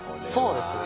そうですね。